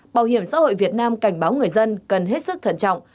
bảo hiểm xã hội việt nam cảnh báo người dân cần hết sức thận trọng